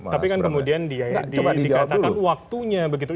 tapi kan kemudian dikatakan waktunya begitu